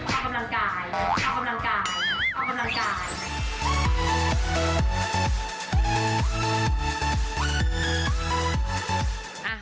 เอากำลังกาย